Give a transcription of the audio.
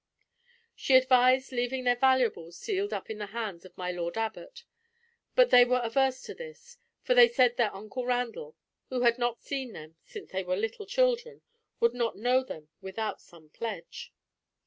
She advised leaving their valuables sealed up in the hands of my Lord Abbot, but they were averse to this—for they said their uncle Randall, who had not seen them since they were little children, would not know them without some pledge.